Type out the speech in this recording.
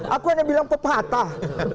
aku hanya bilang pepatah